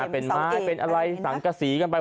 เป็นไม้เป็นอะไรสังกษีกันไป